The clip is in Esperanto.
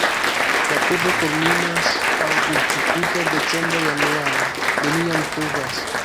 La pluvo kulminas aŭguste, inter decembro-januaro neniam pluvas.